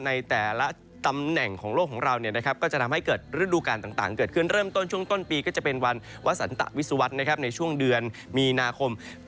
ในแต่ละตำแหน่งของโลกของเราก็จะทำให้เกิดฤดูการต่างเกิดขึ้นเริ่มต้นช่วงต้นปีก็จะเป็นวันวสันตะวิสุวรรษในช่วงเดือนมีนาคม